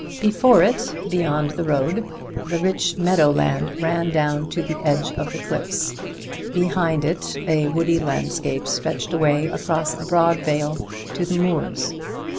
Before it, beyond the road, the rich meadow land ran down to the edge of the cliffs; behind it a woody landscape stretched away across a broad vale to the moors.